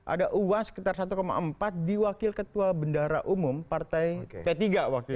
ada uang sekitar satu empat diwakil ketua bendara umum partai t tiga waktu itu